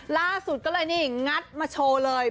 ล่าสุดก็เลยนี่งัดมาโชว์เลย